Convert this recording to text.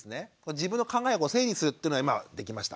自分の考えを整理するっていうのは今できました。